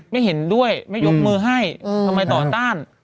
ไม่เห็นด้วยไม่ยกมือให้ทำไมต่อต้าน